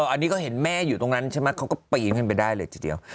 อันนี้ก็เห็นแม่อยู่ตรงนั้นใช่ไหมเขาก็ปีนขึ้นไปได้เลยทีเดียว